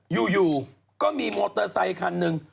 อยู่ก็มีมอเตอร์ไซคันหนึ่ง